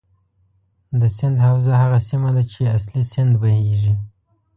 د سیند حوزه هغه سیمه ده چې اصلي سیند بهیږي.